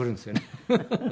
フフフフ。